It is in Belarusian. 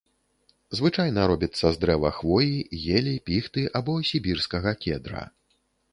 Звычайна робіцца з дрэва хвоі, елі, піхты або сібірскага кедра.